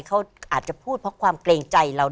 เขาอาจจะพูดเพราะความเกรงใจเรา